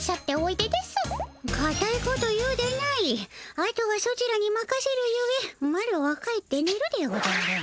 あとはソチらにまかせるゆえマロは帰ってねるでおじゃる。